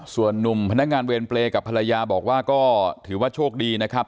ส่วนนุ่มพนักงานเวรเปรย์กับภรรยาบอกว่าก็ถือว่าโชคดีนะครับ